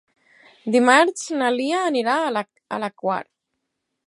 Dimarts na Lia anirà a la Quar.